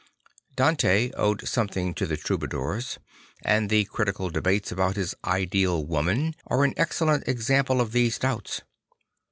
Dante owed something to the Troubadours; and the critical debates about his ideal woman are an excellent example of these doubts.